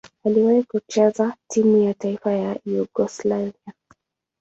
Aliwahi kucheza timu ya taifa ya Yugoslavia.